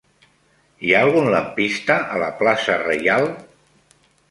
Hi ha algun lampista a la plaça Reial?